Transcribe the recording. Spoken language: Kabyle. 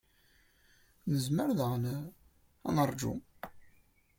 Nezmer daɣen ad neṛju.